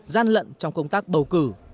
gian lận trong công tác bầu cử